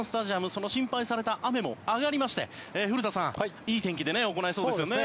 その心配された雨も上がりまして古田さん、いい天気で行えそうですよね。